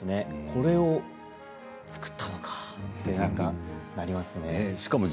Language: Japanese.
これを作ったのかとなんか、ありますね。